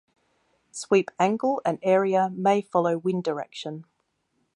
Sweep angle and area may follow wind direction.